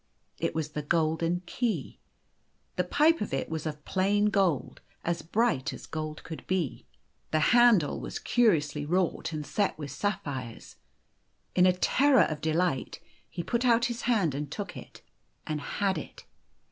It was the golden O key. The pipe of it was of plain gold, as bright as gold could be. The handle was curiously wrought and set with sapphires. In a terror of delight he put out his hand and took it, and had it.